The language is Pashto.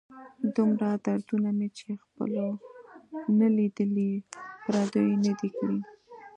دومره دردونه مې چې خپلو نه لیدلي، پردیو نه دي را کړي.